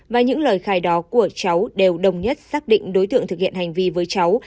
và những lời khai đó của cháu đều đồng nhất xác định đối tượng thực hiện hành vi với cháu